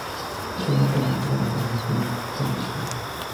El primer segmento abdominal tiene forma de caja.